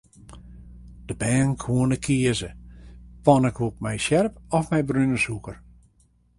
De bern koene kieze: pankoek mei sjerp of mei brune sûker.